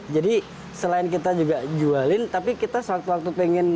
jadi selain kita juga jualin tapi kita suatu waktu pengen